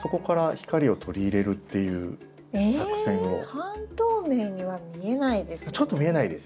半透明には見えないです。